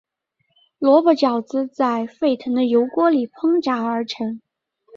萝卜饺子在沸腾的油锅里烹炸而成。